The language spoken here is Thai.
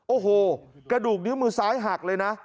โอ้โหกระดูกนิ้วมือซ้ายหักเลยนะ